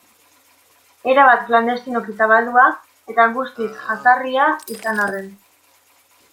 Erabat klandestinoki zabaldua eta guztiz jazarria izan arren.